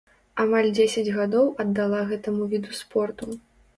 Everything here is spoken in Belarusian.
Амаль дзесяць гадоў аддала гэтаму віду спорту.